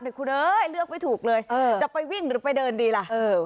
คุณเอ้ยเลือกไม่ถูกเลยจะไปวิ่งหรือไปเดินดีล่ะเออ